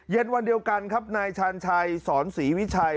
เย็นวันเดียวกันครับนายชาญชัยสอนศรีวิชัย